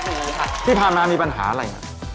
ที่นี่ผ่านมามีปัญหาอะไร